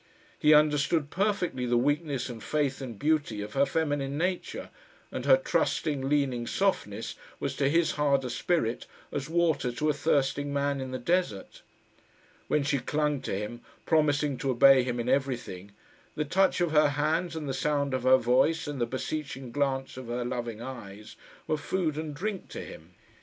He understood perfectly the weakness and faith and beauty of her feminine nature, and her trusting, leaning softness was to his harder spirit as water to a thirsting man in the desert. When she clung to him, promising to obey him in everything, the touch of her hands, and the sound of her voice, and the beseeching glance of her loving eyes, were food and drink to him.